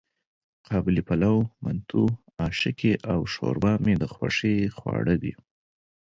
قابلي پلو، منتو، آشکې او ښوروا مې د خوښې خواړه دي.